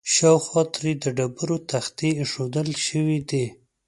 شاوخوا ترې د ډبرو تختې ایښودل شوي دي.